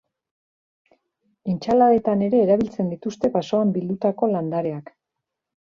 Entsaladetan ere erabiltzen dituzte basoan bildutako landareak.